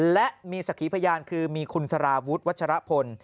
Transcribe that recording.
และมีสักขีพยานคือมีคุณสารวุฒิวัชรพล